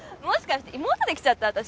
もしかして妹できちゃった？